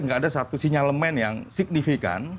nggak ada satu sinyalemen yang signifikan